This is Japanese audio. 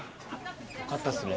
よかったですね